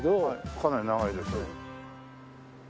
かなり長いですね。